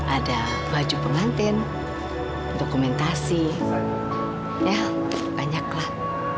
ada baju pengantin dokumentasi ya banyaklah